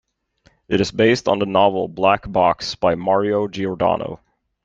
It is based on the novel "Black Box" by Mario Giordano.